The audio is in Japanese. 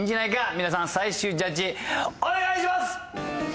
皆さん最終ジャッジお願いします！